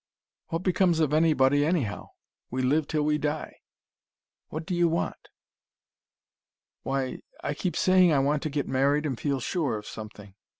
"What becomes of anybody, anyhow? We live till we die. What do you want?" "Why, I keep saying I want to get married and feel sure of something.